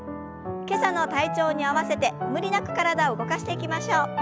今朝の体調に合わせて無理なく体を動かしていきましょう。